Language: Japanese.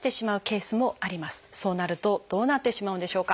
そうなるとどうなってしまうんでしょうか？